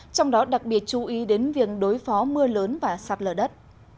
trong đó đặc biệt chú ý đến việc đối phó mưa lớn và sạt lở đất